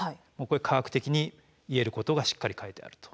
科学的に言えることがしっかり書いてあると。